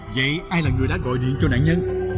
vậy ai là người đã gọi điện cho nạn nhân